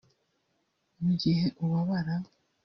Mu gihe ubabara